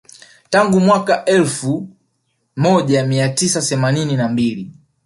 Tangu mwaka wa elfu moja mia tisa themanini na mbili